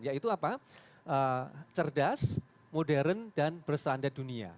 yaitu apa cerdas modern dan berstandar dunia